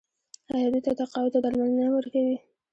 آیا دوی ته تقاعد او درملنه نه ورکوي؟